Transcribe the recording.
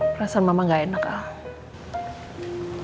perasaan mama nggak enak al